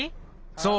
そう。